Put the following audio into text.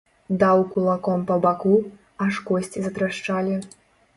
Даў кулаком па баку, аж косці затрашчалі.